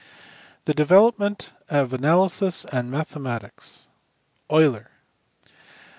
The development of analysis and mechanics. Euler *.